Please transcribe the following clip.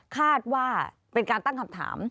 คาดว่าเป็นการตั้งคำถาม